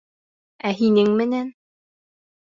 Ә һинең менән...